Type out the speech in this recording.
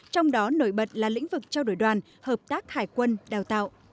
trong đó nổi bật là lĩnh vực trao đổi đoàn hợp tác hải quân đào tạo